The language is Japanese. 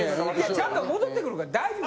ちゃんと戻ってくるから大丈夫。